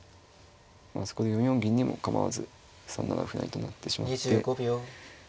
そこで４四銀にも構わず３七歩成と成ってしまって。